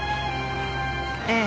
ええ。